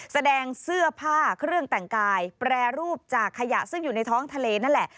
แสดงเสื้อผ้าเครื่องแต่งกายแปรรูปจากขยะซึ่งอยู่ในท้องทะเลนั่นแหละ